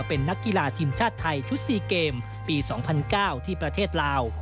เป็นนักกีฬาทีมชาติไทยชุด๔เกมปี๒๐๐๙ที่ประเทศลาว